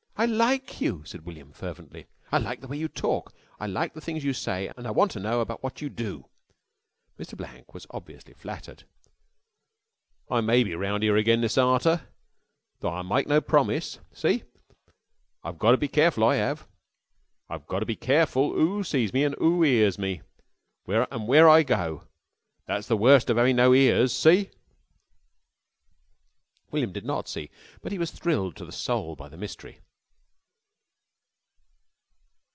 "I like you," said William fervently. "I like the way you talk, and I like the things you say, and I want to know about what you do!" Mr. Blank was obviously flattered. "I may be round 'ere agine this arter, though I mike no promise. See? I've gotter be careful, I 'ave. I've gotter be careful 'oo sees me an' 'oo 'ears me, and where I go. That's the worst of 'aving no ears. See?" William did not see, but he was thrilled to the soul by the mystery.